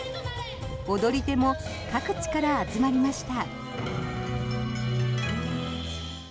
踊り手も各地から集まりました。